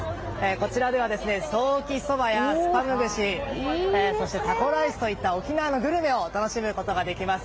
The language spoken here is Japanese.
こちらではソーキそばやスパム串そしてタコライスといった沖縄のグルメを楽しむことができます。